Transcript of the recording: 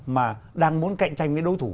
mà đang muốn cạnh tranh với đối thủ